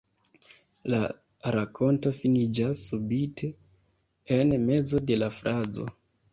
La rakonto finiĝas subite, en mezo de la frazo.